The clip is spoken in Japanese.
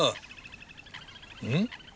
うん？